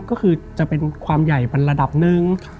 ก็คือจะเป็นความใหญ่เป็นระดับหนึ่ง